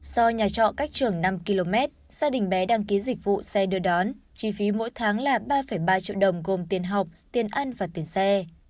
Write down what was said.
do nhà trọ cách trường năm km gia đình bé đăng ký dịch vụ xe đưa đón chi phí mỗi tháng là ba ba triệu đồng gồm tiền học tiền ăn và tiền xe